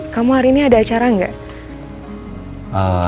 kamu hari ini ada acara nggak